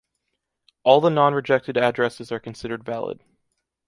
All the non-rejected addresses are considered valid.